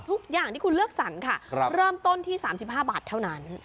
ทุกอย่างที่คุณเลือกสรรค่ะเริ่มต้นที่๓๕บาทเท่านั้น